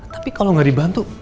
tapi kalo gak dibantu